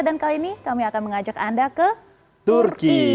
kali ini kami akan mengajak anda ke turki